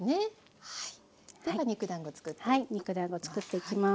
では肉だんごつくっていきます。